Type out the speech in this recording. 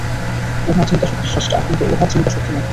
উহা চিন্তাশক্তির স্রষ্টা, কিন্তু উহা চিন্তাশক্তি নহে।